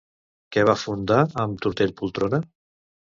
Què va fundar amb Tortell Poltrona?